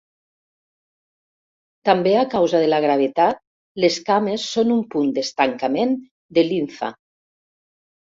També a causa de la gravetat, les cames són un punt d'estancament de limfa.